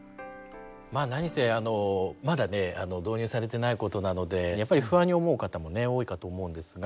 まあ何せまだね導入されてないことなのでやっぱり不安に思う方もね多いかと思うんですが。